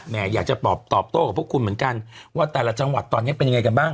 อยากจะตอบโต้กับพวกคุณเหมือนกันว่าแต่ละจังหวัดตอนนี้เป็นยังไงกันบ้าง